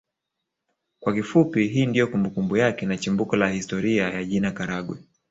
Kwa kifupi hii ndio kumbukumbu yake na chimbuko la historia ya jina Karagwe